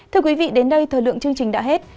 thưa quý vị đến đây thời lượng chương trình đã hết